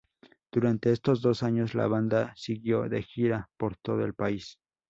Durante estos dos años la banda siguió de gira por todo el país.